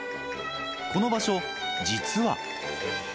この場所、実は。